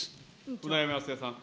舟山康江さん。